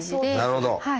なるほど！